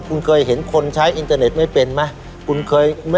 คุณเคยเห็นคนใช้อินเทอร์เน็ตไม่เป็นไหม